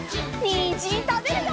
にんじんたべるよ！